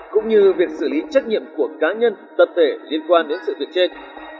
cũng như việc xử lý trách nhiệm của cá nhân tập thể liên quan đến sự việc trên